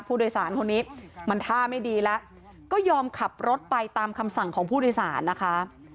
ผู้โดยสารคนนี้มันท่าไม่ดีแล้วก็ยอมขับรถไปตามคำสั่งของผู้โดยสารนะคะ